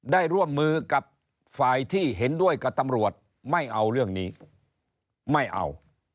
ร่วมมือกับฝ่ายที่เห็นด้วยกับตำรวจไม่เอาเรื่องนี้ไม่เอา